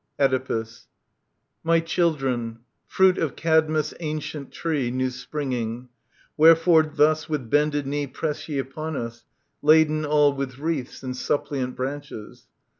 L^^A^ Oedipus. fh^/^^ My children, fruit of Cadmus' ancient tree New springing, wherefore thus with bended knee Press ye upon us, laden all with wreaths And suppliant branches